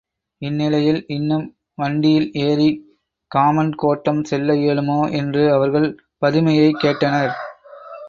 இந்நிலையில் இன்றும் வண்டியில் ஏறிக் காமன் கோட்டம் செல்ல இயலுமா? என்று அவர்கள் பதுமையைக் கேட்டனர்.